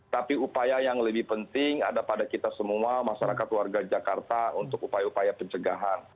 tapi upaya yang lebih penting ada pada kita semua masyarakat warga jakarta untuk upaya upaya pencegahan